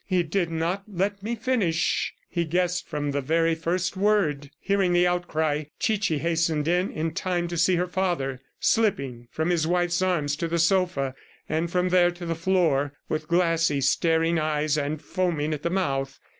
"He did not let me finish. ... He guessed from the very first word. ..." Hearing the outcry, Chichi hastened in in time to see her father slipping from his wife's arms to the sofa, and from there to the floor, with glassy, staring eyes, and foaming at the mouth.